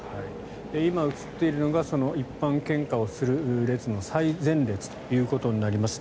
今、映っているのが一般献花をする列の最前列ということになります。